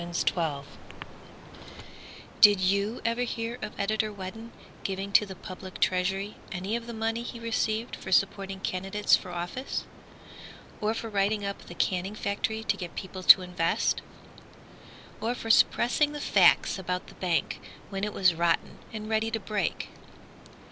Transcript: Daisy Fraser Did you ever hear of Editor Whedon Giving to the public treasury any of the money he received For supporting candidates for office? Or for writing up the canning factory To get people to invest? Or for suppressing the facts about the bank, When it was rotten and ready to break?